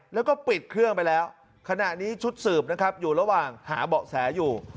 แล้วก็ปิดเครื่องไปแล้วขณะนี้ชุดสืบนะครับอยู่ระหว่างหาเบาะแสอยู่